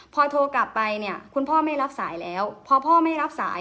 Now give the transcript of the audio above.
พอโทรกลับไปเนี่ยคุณพ่อไม่รับสายแล้วพอพ่อไม่รับสาย